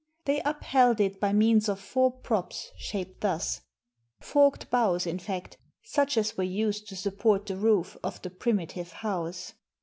They upheld it by means of four props shaped thus: Y — forked boughs, in fact, such as were used to sup I port the roof of the primitive house.